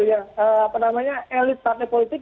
yang elit partai politik